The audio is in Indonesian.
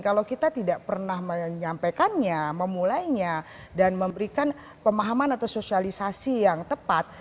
kalau kita tidak pernah menyampaikannya memulainya dan memberikan pemahaman atau sosialisasi yang tepat